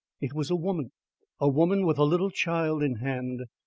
It was a woman a woman with a little child in hand.